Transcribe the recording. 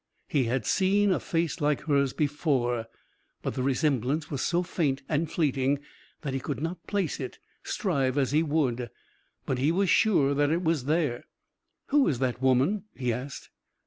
He had seen a face like hers before, but the resemblance was so faint and fleeting that he could not place it, strive as he would. But he was sure that it was there. "Who is that woman?" he asked.